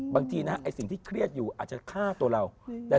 บางทีนะไอ้สิ่งที่เครียดอยู่อาจจะฆ่าตัวเรา